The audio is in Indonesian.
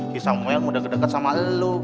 si samuel muda kedeket sama elu